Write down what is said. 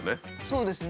そうですね。